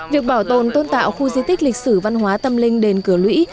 việc bảo tồn tôn tạo khu di tích lịch sử văn hóa tâm linh đền cửa lũy